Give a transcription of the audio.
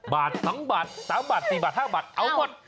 บาท๒บาท๓บาท๔บาท๕บาทเอาหมด